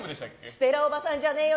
ステラおばさんじゃねーよ